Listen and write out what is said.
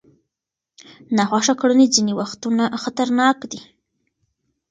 ناخوښه کړنې ځینې وختونه خطرناک دي.